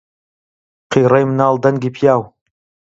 قیڕەی مناڵ دەنگی پیاو